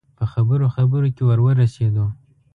په خبرو خبرو کې ور ورسېدو.